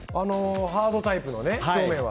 ハードタイプのね、表面は。